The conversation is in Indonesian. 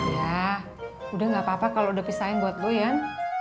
ya udah gak apa apa kalau udah pisang buat lo yan